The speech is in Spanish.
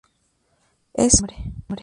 Eso y el hambre.